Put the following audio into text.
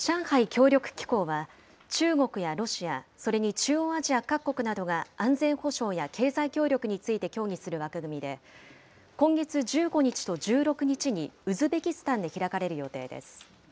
協力機構は、中国やロシア、それに中央アジア各国などが安全保障や経済協力について協議する枠組みで、今月１５日と１６日に、ウズベキスタンで開かれる予定です。